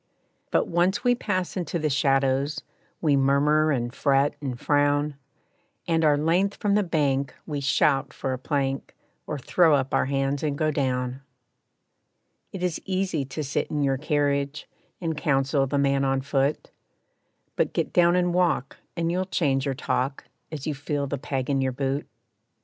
But once we pass into the shadows, We murmur and fret and frown, And, our length from the bank, we shout for a plank, Or throw up our hands and go down. It is easy to sit in your carriage, And counsel the man on foot, But get down and walk, and you'll change your talk, As you feel the peg in your boot.